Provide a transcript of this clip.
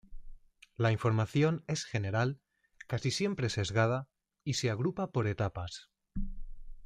La información es general, casi siempre sesgada y se agrupa por etapas.